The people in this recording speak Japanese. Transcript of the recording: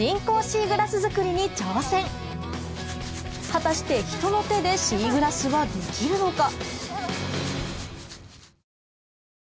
果たして人の手でシーグラスは出来るのか？